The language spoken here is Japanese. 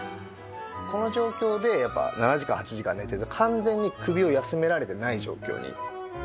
この状況で７時間８時間寝てると完全に首を休められていない状況に。